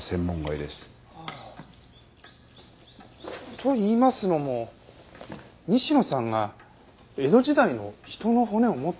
と言いますのも西野さんが江戸時代の人の骨を持っていたんですね。